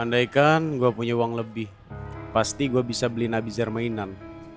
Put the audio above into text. andaikan gue punya uang lebih pasti gue bisa beli nabi zarmainan